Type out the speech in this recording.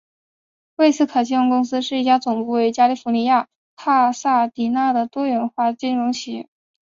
魏斯可金融公司是一家总部位于加尼福尼亚州帕萨迪纳的多元化金融企业。